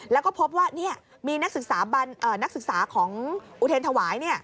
แล้วก็พบว่ามีนักศึกษาของอุเทรนธวาย